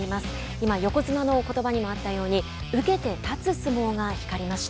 今、横綱のことばにもあったように受けて立つ相撲が光りました。